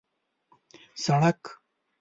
سړک